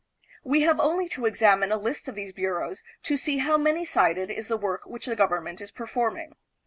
We have only to examine a list of these bureaus to see how many sided is the work which the government is performing.